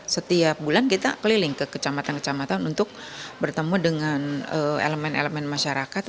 setiap bulan kita keliling ke kecamatan kecamatan untuk bertemu dengan elemen elemen masyarakat